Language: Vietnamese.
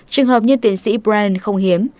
trường hợp như tiến sĩ brian không hiếm